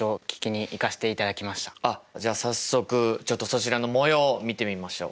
あっじゃあ早速ちょっとそちらのもようを見てみましょう。